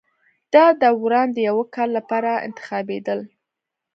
دا داوران د یوه کال لپاره انتخابېدل